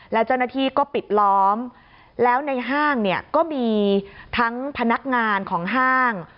แล้วเจ้าหน้าที่ก็ปิดล้อมแล้วในห้างเนี่ยก็มีทั้งพนักงานของห้าง